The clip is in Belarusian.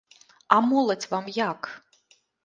А моладзь вам як?